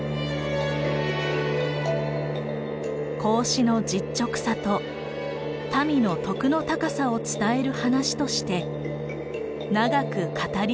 孔子の実直さと民の徳の高さを伝える話として長く語り継がれています。